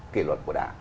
kỳ luật của đảng